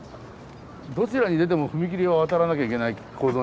どちらに出ても踏切を渡らなきゃいけない構造に。